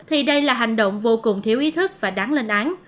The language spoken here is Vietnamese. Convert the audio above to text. thì đây là hành động vô cùng thiếu ý thức và đáng lên án